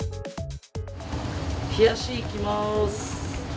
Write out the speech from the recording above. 冷やしいきます！